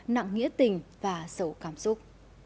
nặng nghĩa tình và sầu cảm xúc